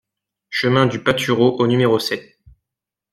Chemin du Patureau au numéro sept